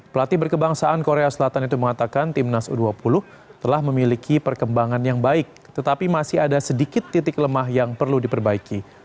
pelatih berkebangsaan korea selatan itu mengatakan timnas u dua puluh telah memiliki perkembangan yang baik tetapi masih ada sedikit titik lemah yang perlu diperbaiki